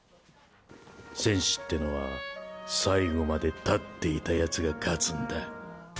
戦士ってのは、最後まで立っていたやつが勝つんだ。